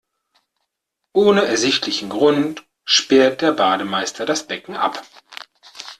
Ohne ersichtlichen Grund sperrt der Bademeister das Becken ab.